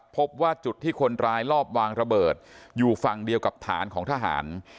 พบว่าจุดที่คนร้ายลอบวางระเบิดอยู่ฝั่งเดียวกับฐานของทหาร